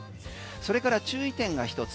それから注意点が１つ。